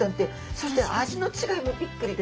そして味の違いもびっくりですね。